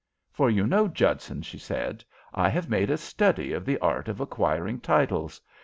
"For you know, Judson," she said, "I have made a study of the art of acquiring titles.